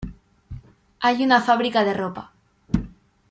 Hay una fábrica de ropa.